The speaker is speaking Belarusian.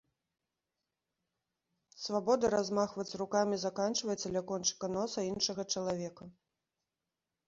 Свабода размахваць рукамі заканчваецца ля кончыка носа іншага чалавека.